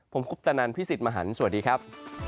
ผมคุปตะนันพี่สิทธิ์มหันฯสวัสดีครับ